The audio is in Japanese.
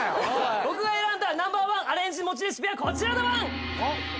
僕が選んだＮｏ．“ワン”アレンジ餅レシピはこちらだワン！